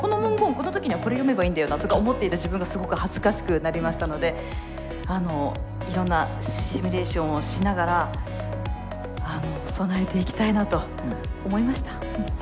この時にはこれ読めばいいんだよなとか思っていた自分がすごく恥ずかしくなりましたのでいろんなシミュレーションをしながら備えていきたいなと思いました。